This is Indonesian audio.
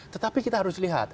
tetapi kita harus lihat